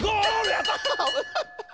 やった！